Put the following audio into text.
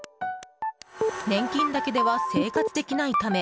年金だけでは生活できないため